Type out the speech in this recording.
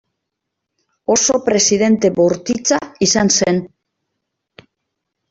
Oso presidente bortitza izan zen.